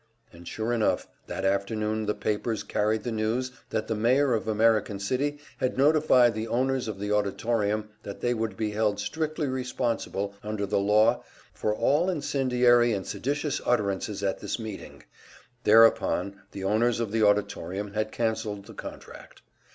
And sure enough, that afternoon the papers carried the news that the mayor of American City had notified the owners of the Auditorium that they would be held strictly responsible under the law for all incendiary and seditious utterances at this meeting; thereupon, the owners of the Auditorium had cancelled the contract.